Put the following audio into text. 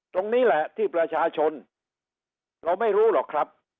ตรงนี้แหละที่ประชาชนเราไม่รู้หรอกครับ